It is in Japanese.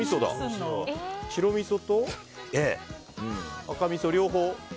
白みそと赤みそ両方。